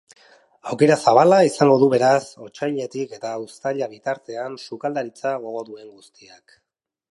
Aukera zabala izango du beraz otsailetik eta uztaila bitartean sukaldaritza gogo duen guztiak.